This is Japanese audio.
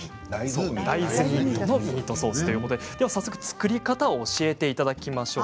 大豆ミートソースということで、早速、作り方を教えていただきましょう。